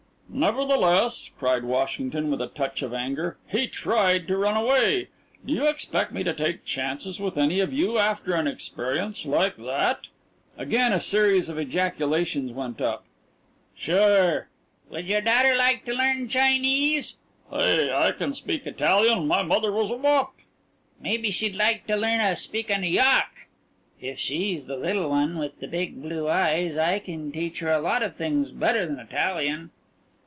"Nevertheless," cried Washington with a touch of anger, "he tried to run away. Do you expect me to take chances with any of you after an experience like that?" Again a series of ejaculations went up. "Sure!" "Would your daughter like to learn Chinese?" "Hey, I can speak Italian! My mother was a wop." "Maybe she'd like t'learna speak N'Yawk!" "If she's the little one with the big blue eyes I can teach her a lot of things better than Italian."